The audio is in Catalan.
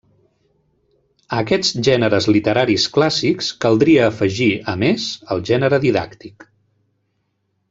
A aquests gèneres literaris clàssics caldria afegir, a més, el gènere didàctic.